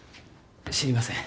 知りません。